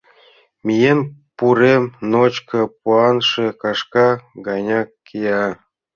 Миен пурем — ночко, пуаҥше кашка ганяк кия.